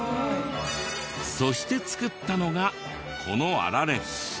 そして作ったのがこのあられ。